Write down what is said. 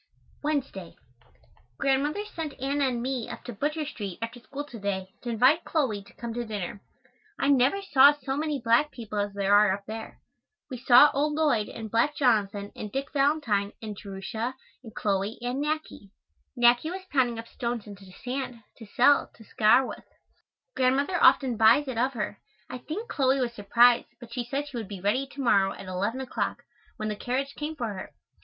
Wednesday. Grandmother sent Anna and me up to Butcher Street after school to day to invite Chloe to come to dinner. I never saw so many black people as there are up there. We saw old Lloyd and black Jonathan and Dick Valentine and Jerusha and Chloe and Nackie. Nackie was pounding up stones into sand, to sell, to scour with. Grandmother often buys it of her. I think Chloe was surprised, but she said she would be ready, to morrow, at eleven o'clock, when the carriage came for her.